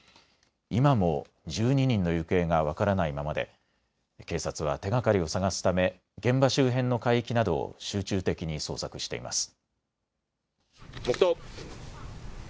今も１２人の行方が分からないままで警察は手がかりを捜すため現場周辺の海域などを集中的に捜索しています。